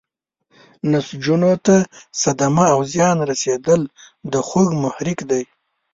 نسجونو ته صدمه او زیان رسیدل د خوږ محرک دی.